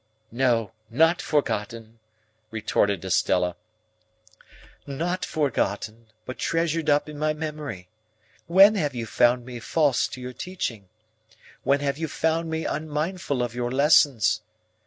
"No, not forgotten," retorted Estella,—"not forgotten, but treasured up in my memory. When have you found me false to your teaching? When have you found me unmindful of your lessons?